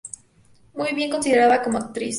Muy bien considerada como actriz.